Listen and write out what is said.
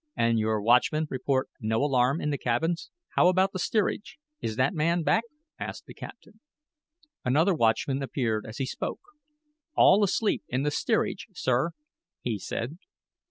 "And you watchmen report no alarm in the cabins. How about the steerage? Is that man back?" asked the captain. Another watchman appeared as he spoke. "All asleep in the steerage, sir," he said.